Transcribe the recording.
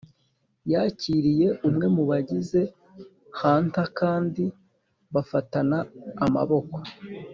yakiriye umwe mu bagize hunter kandi bafatana amaboko.